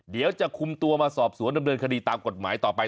เดี๋ยวจะคุมตัวมาสอบสวนดำเนินคดีตามกฎหมายต่อไป